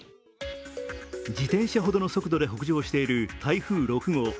自転車ほどの速度で北上している台風６号。